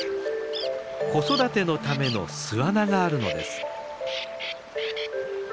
子育てのための巣穴があるのです。